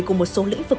của một số lĩnh vực